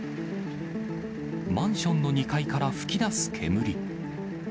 マンションの２階から噴き出す煙。